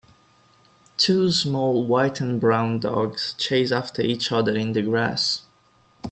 Two small white and brown dogs chase after each other in the grass.